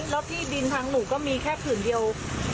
แล้วที่ดินทั้งหนูก็มีแค่ผื่นเดียวคือผื่นนี้